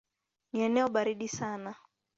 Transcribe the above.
Ni eneo baridi sana.